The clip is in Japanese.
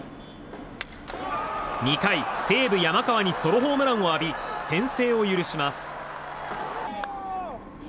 ２回、西武、山川にソロホームランを浴び先制を許します。